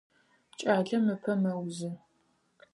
Кӏалэм ыпэ мэузы.